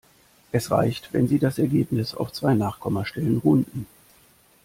Es reicht, wenn Sie das Ergebnis auf zwei Nachkommastellen runden.